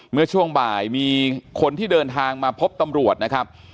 เมื่อช่วงบ่ายมีคนที่เดินทางมาพบตำรวจนะครับ